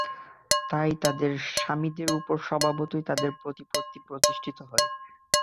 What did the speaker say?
তাই তাদের স্বামীদের উপর স্বভাবতই তাদের প্রতিপত্তি প্রতিষ্ঠি হয়।